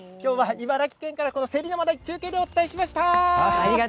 茨城県からせりを中継でお伝えしました。